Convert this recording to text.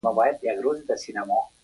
کروندګر د کښت په اړه د نورو سره مرسته کوي